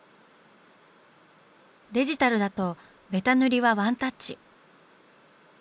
デジタルだとベタ塗りはワンタッチ。